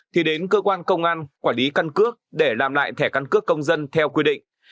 thì đến cơ quan công an quản lý căn cước để làm lại thẻ căn cước công dân theo quy định